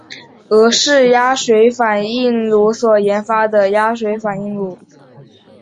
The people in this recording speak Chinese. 俄式压水反应炉所研发的压水反应炉。